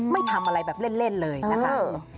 ไม่ทำอะไรแบบเล่นเลยนะคะ